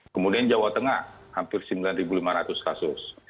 kemudian jawa tengah hampir sembilan lima ratus dua puluh empat kasus